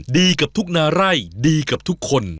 ดีกับทุกนาไร่ดีกับทุกคน